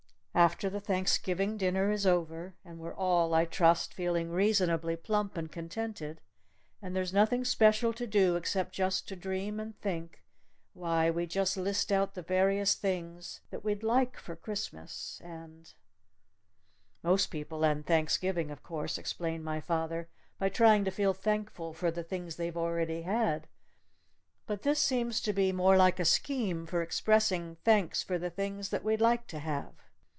"After the Thanksgiving dinner is over and we're all, I trust, feeling reasonably plump and contented, and there's nothing special to do except just to dream and think why, we just list out the various things that we'd like for Christmas and " "Most people end Thanksgiving, of course," explained my father, "by trying to feel thankful for the things they've already had. But this seems to be more like a scheme for expressing thanks for the things that we'd like to have!"